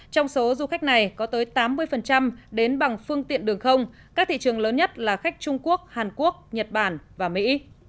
trong số du khách này có tới tám mươi đến bằng phương tiện đường không các thị trường lớn nhất là khách trung quốc hàn quốc nhật bản và mỹ